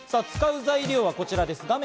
使う材料はこちらです。